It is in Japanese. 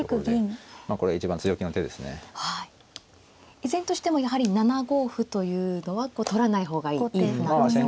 依然としてもやはり７五歩というのは取らない方がいい歩なんですね。